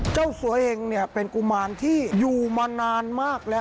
เจ้าสัวเองเนี่ยเป็นกุมารที่อยู่มานานมากแล้ว